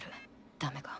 ダメか。